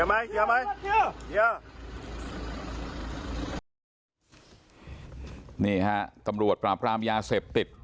มีมั้ยมีมั้ยเจอมั้ยเจอมั้ยนี่ค่ะตำรวจปราบกรามยาเสพติด